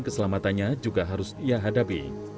keselamatannya juga harus ia hadapi